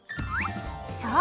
そう！